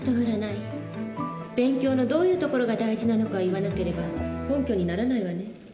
勉強のどういうところが大事なのか言わなければ根拠にならないわね。